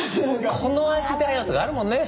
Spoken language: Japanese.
この味だよとかあるもんね。